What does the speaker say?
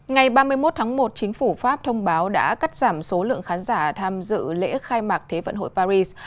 ngày ba mươi một tháng một chính phủ pháp thông báo đã cắt giảm số lượng khán giả tham dự lễ khai mạc thế vận hội paris